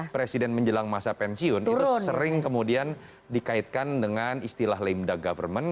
presiden menjelang masa pensiun itu sering kemudian dikaitkan dengan istilah lemda government